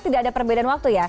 tidak ada perbedaan waktu ya